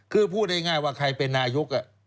คือพูดง่ายว่าใครเป็นนายก